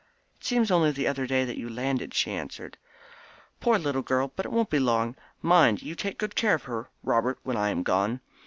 "It seems only the other day that you landed." she answered. "Poor little girl! But it won't be long. Mind you take good care of her, Robert when I am gone.